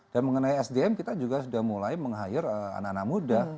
dan mengenai sdm kita juga sudah mulai menghayar anak anak muda